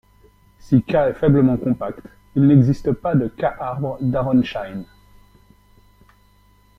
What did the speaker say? Si κ est faiblement compact, il n'existe pas de κ-arbre d'Aronszajn.